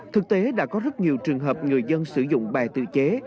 thực tế đã có rất nhiều trường hợp người dân sử dụng bè tự chế